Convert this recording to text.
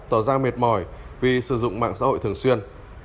tỏ ra mệt mỏi vì sử dụng mạng xã hội thường xuyên